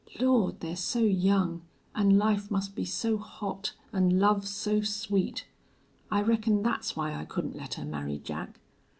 Lord! they're so young an' life must be so hot an' love so sweet! I reckon that's why I couldn't let her marry Jack....